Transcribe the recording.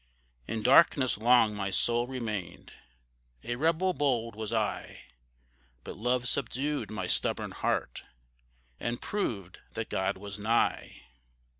In darkness long my soul remained, A rebel bold was I, But love subdued my stubborn heart, And proved that God was nigh.